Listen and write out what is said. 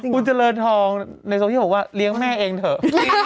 คุณเจริญทองในส่วนที่๖ว่าเลี้ยงแม่เองเถอะ